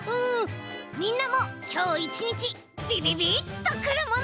みんなもきょういちにちびびびっとくるもの。